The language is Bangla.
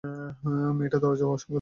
মেয়েটা দরজার সঙ্গে ধাক্কা খেল।